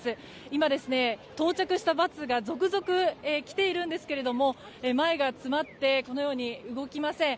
今、到着したバスが続々、来ているんですけれども前が詰まってこのように動きません。